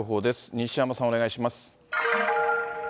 西山さん、お願いします。